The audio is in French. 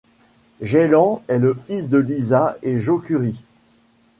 Jaylen est le fils de Lisa et Joe Curry.